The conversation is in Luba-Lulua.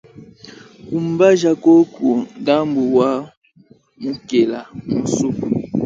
Kumbaja koku ndambu wa mukela mu nsupu.